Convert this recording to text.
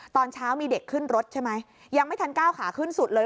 ตอนเช้ามีเด็กขึ้นรถใช่ไหมยังไม่ทันก้าวขาขึ้นสุดเลย